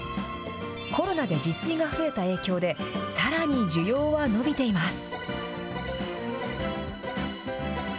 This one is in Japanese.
コロナで自炊が増えた影響で、さらに需要は伸びています。